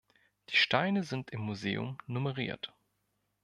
Die Steine sind im Museum nummeriert.